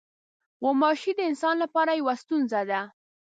غوماشې د انسان لپاره یوه ستونزه ده.